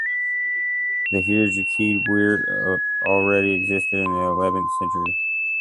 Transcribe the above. The heerlijkheid Weert already existed in the eleventh century.